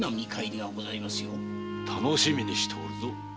楽しみにしておるぞ。